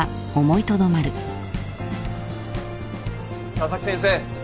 ・佐々木先生